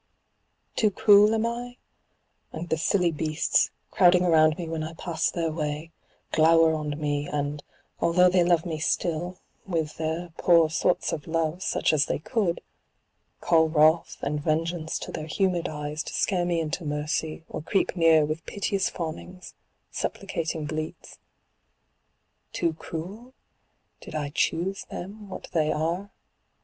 Too cruel am I? And the silly beasts, crowding around me when I pass their way, glower on me and, although they love me still, (with their poor sorts of love such as they could,) call wrath and vengeance to their humid eyes to scare me into mercy, or creep near with piteous fawnings, supplicating bleats. Too cruel? Did I choose them what they are?